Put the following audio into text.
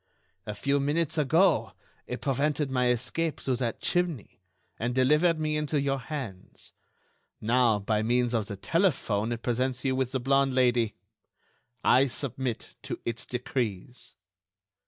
A few minutes ago, it prevented my escape through that chimney, and delivered me into your hands. Now, by means of the telephone, it presents you with the blonde Lady. I submit to its decrees."